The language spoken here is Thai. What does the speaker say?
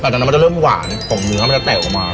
จากนั้นมันจะเริ่มหวานของเนื้อมันจะแตกออกมา